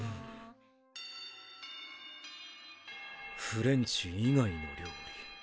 フレンチ以外の料理。